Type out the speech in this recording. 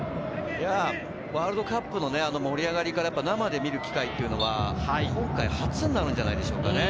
ワールドカップの盛り上がりから生で見る機会は今回初めてになるんじゃないでしょうかね。